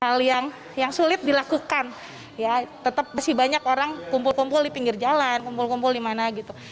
hal yang sulit dilakukan ya tetap masih banyak orang kumpul kumpul di pinggir jalan kumpul kumpul di mana gitu